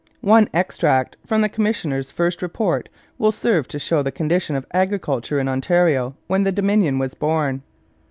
One extract from the commissioner's first report will serve to show the condition of agriculture in Ontario when the Dominion was born.